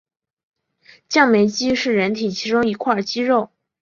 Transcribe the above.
降眉肌是人体其中一块肌肉。